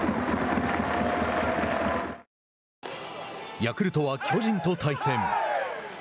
ヤクルトは巨人と対戦。